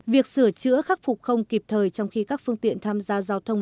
việc sửa chữa khắc phục không kịp thời trong khi các phương tiện tham gia giao thông